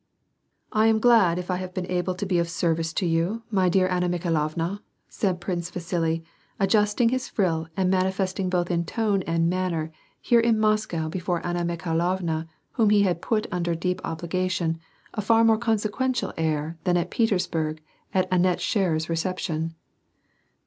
" I am glad if I have been able to be of service to you, my dear Aima Mikhailovna," said Prince Vasili, adjusting his frill, and manifesting both in tone and manner, here in Moscow before Anna Mikhailovna whom he had put under deep obligation, a far more consequential air than at Petersburg at Annette Scherer's reception.